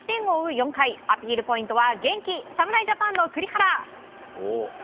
４回アピールポイントは元気侍ジャパンの栗原！